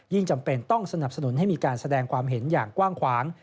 จำเป็นต้องสนับสนุนให้มีการแสดงความเห็นอย่างกว้างขวาง